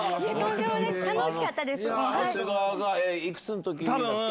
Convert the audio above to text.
いえ楽しかったです。